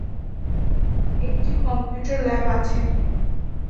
একটি computer lab আছে।